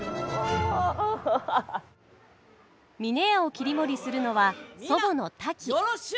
峰屋を切り盛りするのは祖母のタキ。